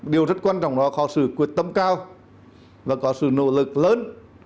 điều rất quan trọng đó có sự quyết tâm cao và có sự nỗ lực lớn